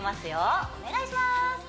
おっお願いします